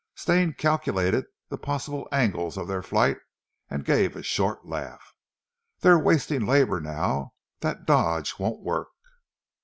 Stane calculated the possible angles of their flight and gave a short laugh. "They're wasting labour now. That dodge won't work."